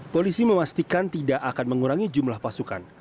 polisi memastikan tidak akan mengurangi jumlah pasukan